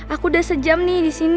aku udah sejam nih di sini